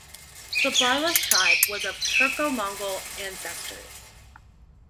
The Barlas tribe was of Turco-Mongol ancestry.